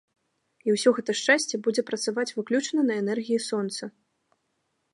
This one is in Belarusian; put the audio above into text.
І ўсё гэта шчасце будзе працаваць выключна на энергіі сонца!